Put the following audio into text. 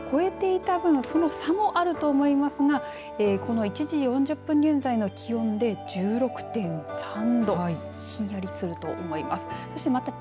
そうですよね、また気温が２０度を超えていたぶんその差もあると思いますがこの１時４０分現在の気温で１６．３度ひんやりすると思います。